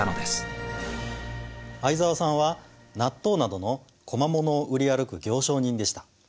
相沢さんは納豆などの小間物を売り歩く行商人でした。